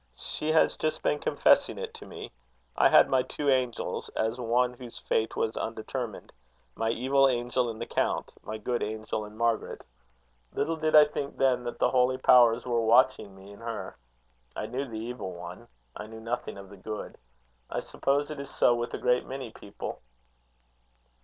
She has just been confessing it to me. I had my two angels, as one whose fate was undetermined; my evil angel in the count my good angel in Margaret. Little did I think then that the holy powers were watching me in her. I knew the evil one; I knew nothing of the good. I suppose it is so with a great many people."